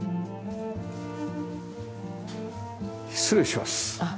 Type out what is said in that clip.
失礼します。